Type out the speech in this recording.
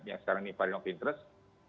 yang sekarang ini varian of interest